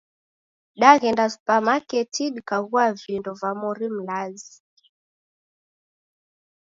Daghenda supamaketi dikaghua vindo va mori mlazi